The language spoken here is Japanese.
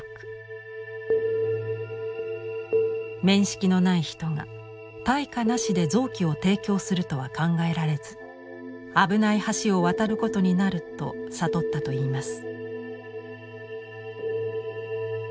面識のない人が対価なしで臓器を提供するとは考えられず危ない橋を渡ることになると悟ったといいます。